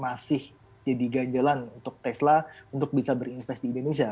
masih jadi ganjalan untuk tesla untuk bisa berinves di indonesia